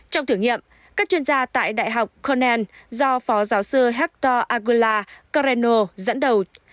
trong thử nghiệm các chuyên gia tại đại học cornell do phó giáo sư hector aguilar coreno dẫn đầu